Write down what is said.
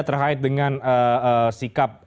terkait dengan sikap